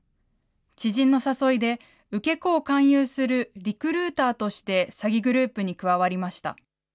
知人の誘いで、受け子を勧誘するリクルーターとして詐欺グループに加わりました。